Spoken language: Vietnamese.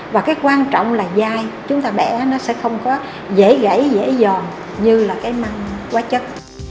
và cái quan trọng là dai chúng ta bẻ nó sẽ không có dễ gãy dễ dòn như là cái măng quá chất